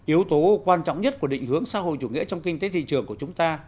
yếu tố quan trọng nhất của định hướng xã hội chủ nghĩa trong kinh tế thị trường của chúng ta